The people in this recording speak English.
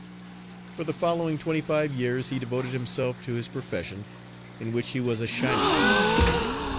For the following twenty five years, he devoted himself to his profession, in which he was a shining light.